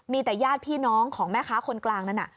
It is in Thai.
มีแต่ญาติพี่น้องของแม่ค้าคนกลางนั้น